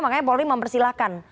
makanya polri mempersilahkan